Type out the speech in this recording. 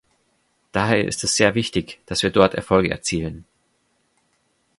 Daher ist es sehr wichtig, dass wir dort Erfolge erzielen.